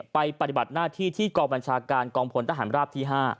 ปฏิบัติหน้าที่ที่กองบัญชาการกองพลทหารราบที่๕